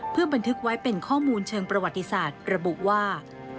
เพื่อบันทึกไว้เป็นข้อมูลเชิงประวัติศาสตร์ระบุว่า